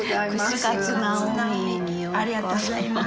ありがとうございます。